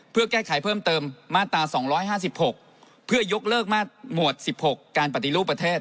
เพื่อแก้ไขเพิ่มเติมมาตรา๒๕๖เพื่อยกเลิกหมวด๑๖การปฏิรูปประเทศ